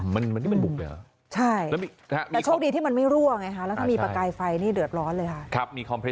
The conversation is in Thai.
มันมันบุกเลยหรอใช่แต่โชคดีที่มันไม่รั่วไงและมีประกายไฟพอเนี่ยเดือดร้อนเลยครับ